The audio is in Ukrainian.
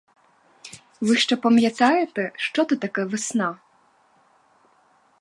Ви ще пам'ятаєте, що то таке весна?